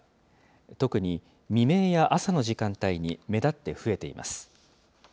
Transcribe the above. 特に未明や朝の時間帯に目立って増えています。